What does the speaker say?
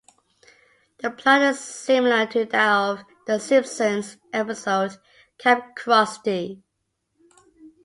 The plot is similar to that of "The Simpsons" episode "Kamp Krusty".